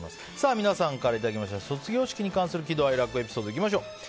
皆さんからいただきました卒業式に関する喜怒哀楽エピソードいきましょう。